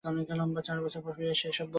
চার বছর পর ফিরে এসে এসব বলতে?